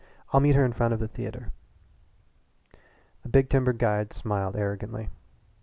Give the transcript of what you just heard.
I'll meet her in front of the theatre." The big timber guide smiled arrogantly.